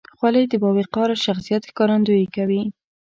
خولۍ د باوقاره شخصیت ښکارندویي کوي.